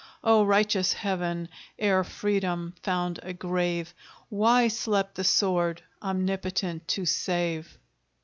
O righteous Heaven! ere Freedom found a grave, Why slept the sword, omnipotent to save?